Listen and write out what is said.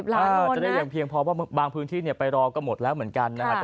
จะได้อย่างเพียงพอเพราะบางพื้นที่ไปรอก็หมดแล้วเหมือนกันนะครับ